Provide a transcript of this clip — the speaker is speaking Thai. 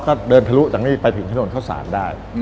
ก็เดินผลุตรงนี้ไปผิงถนนเข้าศาลได้